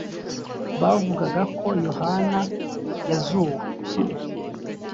bavugaga ko yohana yazuwe